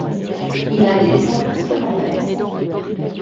Il a des descendances finlandaise.